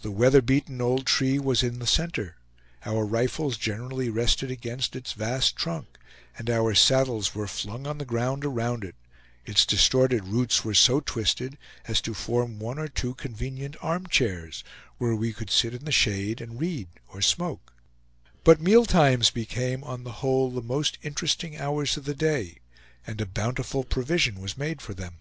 The weather beaten old tree was in the center; our rifles generally rested against its vast trunk, and our saddles were flung on the ground around it; its distorted roots were so twisted as to form one or two convenient arm chairs, where we could sit in the shade and read or smoke; but meal times became, on the whole, the most interesting hours of the day, and a bountiful provision was made for them.